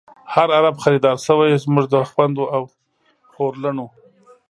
هر عرب خریدار شوۍ، زمونږ د خوندو او خور لڼو